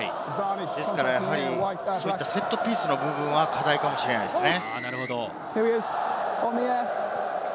ですから、セットピースの部分は課題かもしれないですね。